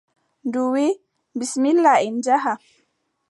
Ndu wiʼi : bisimilla en njaha.